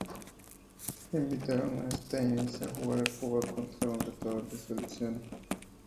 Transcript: Invitaron a Steinitz a jugar en Cuba contra un retador de su elección.